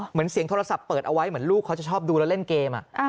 เหมือนเสียงโทรศัพท์เปิดเอาไว้เหมือนลูกเขาจะชอบดูแล้วเล่นเกม